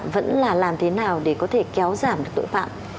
vẫn là làm thế nào để có thể kéo giảm được tội phạm